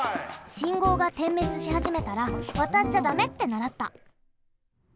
信号が点滅しはじめたらわたっちゃだめってならった。